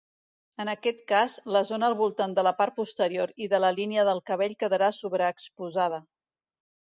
En aquest cas, la zona al voltant de la part posterior i de la línia del cabell quedarà sobreexposada.